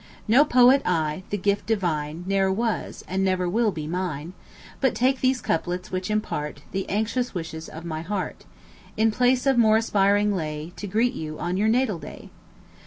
No poet I the "gift divine" Ne'er was, and never will be, mine; But take these couplets, which impart The anxious wishes of my heart, In place of more aspiring lay, To greet you on your natal day.